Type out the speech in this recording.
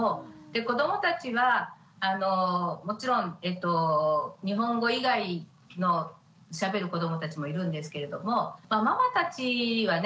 子どもたちはもちろん日本語以外のしゃべる子どもたちもいるんですけれどもママたちはね